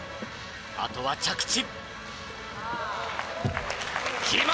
あとは着地。